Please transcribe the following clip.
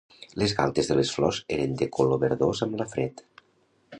Les galtes de les flors eren de color verdós amb la fred.